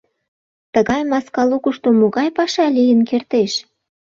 Тыгай маска лукышто могай паша лийын кертеш?